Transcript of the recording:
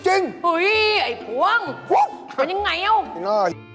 อุ๊ยไอ้ภวงเป็นอย่างไรน่ะวะพี่น้อย